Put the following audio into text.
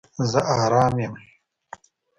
زه آرام یم